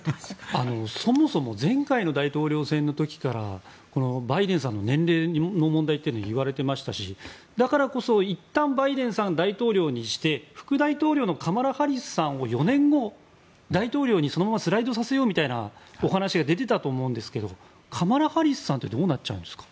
そもそも前回の大統領選の時からバイデンさんの年齢の問題っていわれてましたしだからこそ、いったんバイデンさんを大統領にして副大統領のカマラ・ハリスさんを４年後、大統領にスライドさせようみたいなお話が出ていたと思うんですがカマラ・ハリスさんってどうなっちゃうんですか？